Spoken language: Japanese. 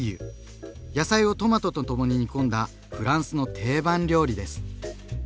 野菜をトマトとともに煮込んだフランスの定番料理です。